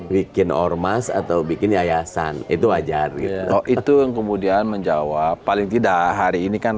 bikin ormas atau bikin yayasan itu wajar gitu itu yang kemudian menjawab paling tidak hari ini kan